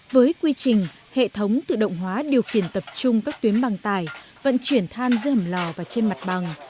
với quy trình hệ thống tự động hóa điều kiện tập trung các tuyến bằng tài vận chuyển than giữa hầm lò và trên mặt bằng